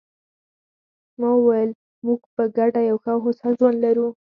ما وویل: موږ په ګډه یو ښه او هوسا ژوند لرو.